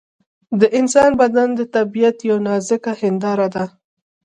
د انسان بدن د طبیعت یوه نازکه هنداره ده.